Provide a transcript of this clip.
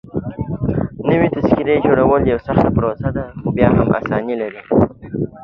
نوي تذکيري جوړول يوه سخته پروسه ده.